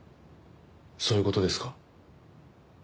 そういう事ですか？